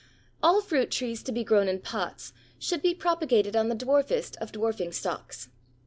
All fruit trees to be grown in pots should be propagated on the dwarfest of dwarfing stocks.